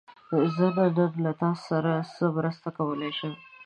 زه نن له تاسو سره څه مرسته کولی شم؟